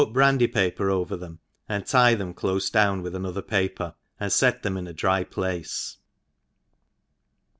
brandy paper over them| and tie fhem clofe down with aj^other paper, and fet them in a dry place.